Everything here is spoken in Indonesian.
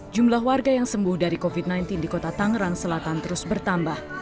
jumlah warga yang sembuh dari covid sembilan belas di kota tangerang selatan terus bertambah